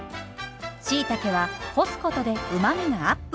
しいたけは干すことでうまみがアップ。